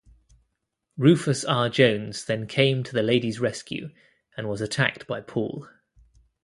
Rufus R. Jones then came to the lady's rescue, and was attacked by Paul.